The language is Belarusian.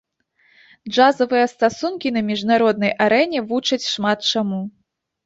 Джазавыя стасункі на міжнароднай арэне вучаць шмат чаму.